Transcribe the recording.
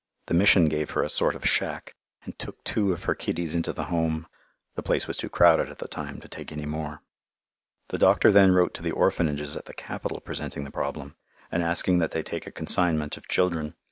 The Mission gave her a sort of shack, and took two of her kiddies into the Home. The place was too crowded at the time to take any more. The doctor then wrote to the orphanages at the capital presenting the problem, and asking that they take a consignment of children.